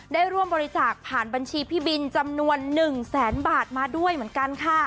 ได้ร่วมบริจาคผ่านบัญชีพี่บินจำนวน๑แสนบาทมาด้วยเหมือนกันค่ะ